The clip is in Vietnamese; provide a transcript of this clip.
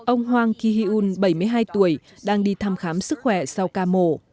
ông hwang ki hee un bảy mươi hai tuổi đang đi thăm khám sức khỏe sau ca mổ